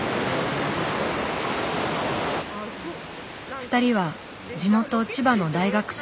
２人は地元千葉の大学生。